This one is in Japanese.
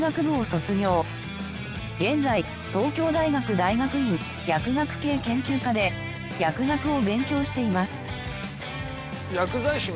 現在東京大学大学院薬学系研究科で薬学を勉強しています。